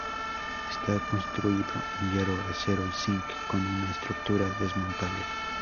Está construido en hierro, acero y zinc, con una estructura desmontable.